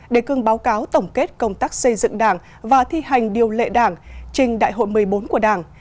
đề cương báo cáo tổng kết công tác xây dựng đảng và thi hành điều lệ đảng trình đại hội một mươi bốn của đảng